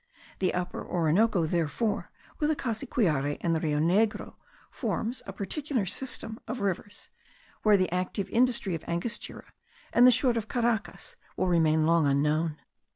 The Upper Orinoco, therefore, with the Cassiquiare and the Rio Negro, forms a particular system of rivers, where the active industry of Angostura and the shore of Caracas will remain long unknown.